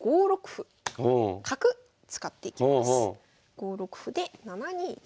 ５六歩で７二銀。